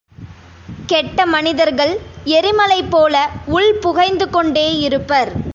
கெட்ட மனிதர்கள் எரிமலை போல உள் புகைந்து கொண்டே இருப்பர்.